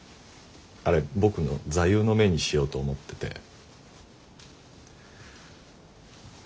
あれ僕の座右の銘にしようと思ってて。